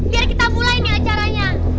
biar kita mulai nih acaranya